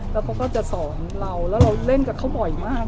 แล้วเขาก็จะสอนเราแล้วเราเล่นกับเขาบ่อยมาก